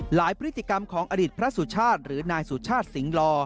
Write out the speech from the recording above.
พฤติกรรมของอดีตพระสุชาติหรือนายสุชาติสิงหล่อ